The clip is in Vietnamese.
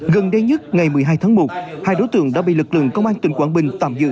gần đây nhất ngày một mươi hai tháng một hai đối tượng đã bị lực lượng công an tỉnh quảng bình tạm giữ